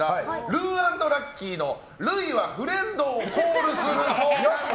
ルー＆ラッキィの類はフレンドをコールする相関図。